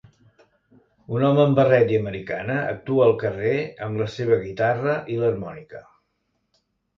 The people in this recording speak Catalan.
Un home amb barret i americana actua al carrer amb la seva guitarra i l'harmònica.